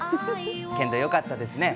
けんど、よかったですね。